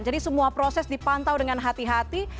jadi semua proses dipantau dengan hati hati